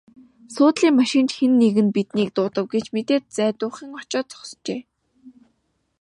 Суудлын машин ч хэн нэг нь биднийг дуудав гэж мэдээд зайдуухан очоод зогсжээ.